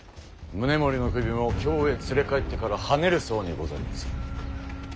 宗盛の首も京へ連れ帰ってからはねるそうにございます。